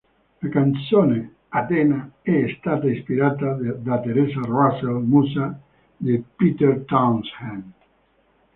La canzone "Athena" è stata ispirata da Theresa Russell, musa di Pete Townshend.